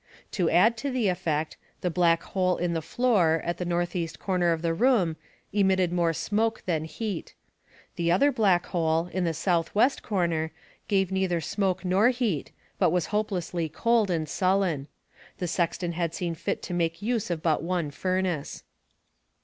To add to the effect, the black hole in the floor, at the northeast corner of the room, emitted more smoke than heat. The other black hole, in the southwest corner, gave neither smoke nor heat, but was hopelessly cold and sullen. The sexton had seen fit to make use of but one furnace.